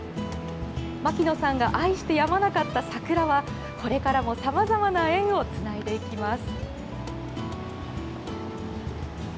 牧野さんが愛してやまなかった桜はこれからもさまざまな縁をつないでいきます。